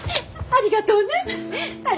ありがとう！